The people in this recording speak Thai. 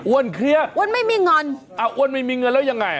อ้วนเครียดอ้วนไม่มีเงินอ้วนไม่มีเงินแล้วยังไง